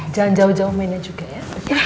jangan jauh jauh mainnya juga ya